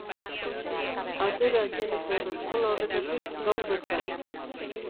Atera Jennifer eskola horretatik gaur bertan.